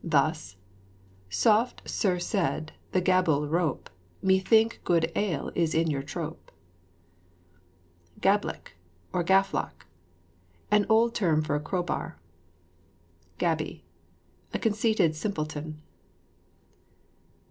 Thus, "Softe, ser, seyd the gabulle rope, Methinke gode ale is in your tope." GABLICK, OR GAFFLOCK. An old term for a crow bar. GABY. A conceited simpleton.